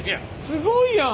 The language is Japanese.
すごいやん！